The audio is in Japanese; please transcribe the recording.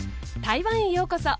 台湾へようこそ。